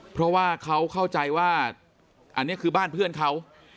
เพราะว่าเขาเข้าใจว่าอันนี้คือบ้านเพื่อนเขา